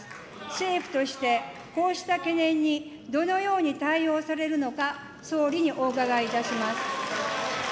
政府として、こうした懸念にどのように対応されるのか、総理にお伺いいたします。